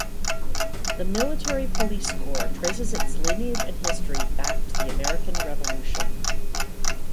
The Military Police Corps traces its lineage and history back to the American Revolution.